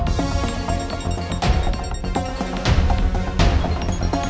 mbak andin mau ke panti